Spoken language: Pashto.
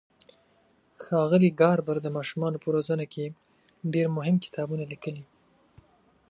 ښاغلي ګاربر د ماشومانو په روزنه کې ډېر مهم کتابونه لیکلي.